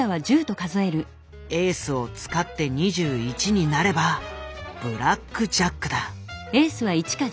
エースを使って２１になればブラックジャックだ。